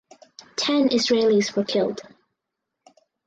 Ten Israelis were killed.